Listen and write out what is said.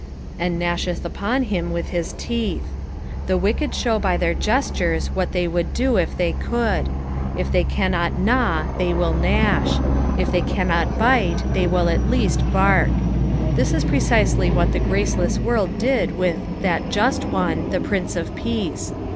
"And pnasAetA upon him toith hit teeOi.'" The wicked show by their gestures what they would do if they could ; if they cannot gnaw they will gnash ; if they may not bite they wiU at least bark. This is precisely what tile graceless world did with "that just One," the Prince of Peace.